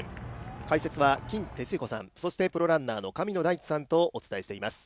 解説は金哲彦さん、プロランナーの神野大地さんとお伝えしています。